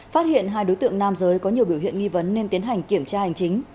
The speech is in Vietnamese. phát hiện hai đối tượng nam giới có nhiều biểu hiện nghi vấn nên tiến hành kiểm tra hành chính